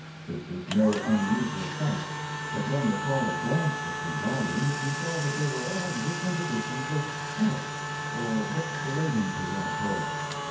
This was no unusual sight, but when the caller glanced at the volumes he saw that they were all different editions of Horace, or books relating to that poet.